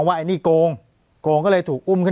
ปากกับภาคภูมิ